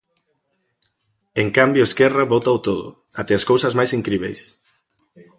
En cambio Esquerra vótao todo, até as cousas mais incríbeis.